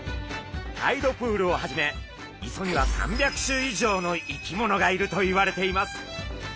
タイドプールをはじめ磯には３００種以上の生き物がいるといわれています。